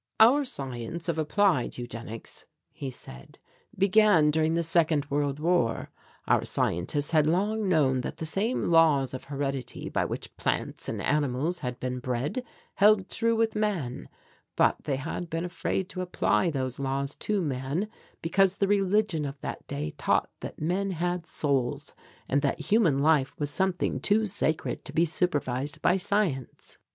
"Our science of applied Eugenics," he said, "began during the Second World War. Our scientists had long known that the same laws of heredity by which plants and animals had been bred held true with man, but they had been afraid to apply those laws to man because the religion of that day taught that men had souls and that human life was something too sacred to be supervised by science.